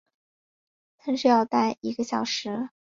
但是要待一个小时